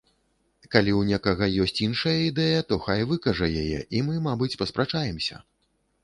Калі ў некага ёсць іншая ідэя, то хай выкажа яе і мы, мабыць, паспрачаемся.